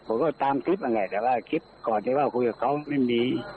ผมก็ตามคลิปอ่ะไงแต่ว่าคลิปก่อนได้ว่าคุยกับเขาไม่มี